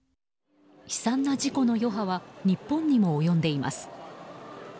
悲惨な事故の余波は日本にも及んでいます。